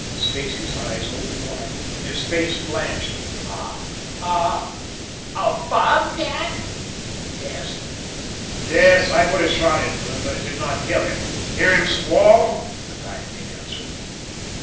Stacy's eyes opened wide and his face blanched. "A a bob cat?" they gasped. "Yes; I put a shot into him, but it did not kill kill him! Hear him squall?" the guide made answer.